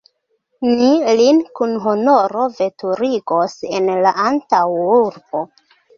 Ni lin kun honoro veturigos en la antaŭurbon.